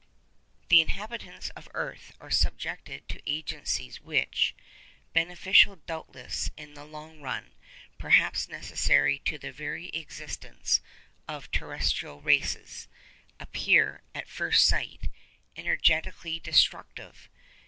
_ The inhabitants of the earth are subjected to agencies which—beneficial doubtless in the long run, perhaps necessary to the very existence of terrestrial races—appear, at first sight, energetically destructive.